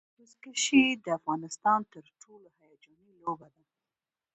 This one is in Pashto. بزکشي د افغانستان تر ټولو هیجاني لوبه ده.